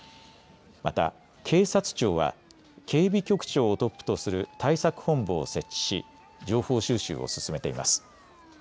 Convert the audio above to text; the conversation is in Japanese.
また警察庁は警備局長をトップとする対策本部を設置し情報収集を進めています。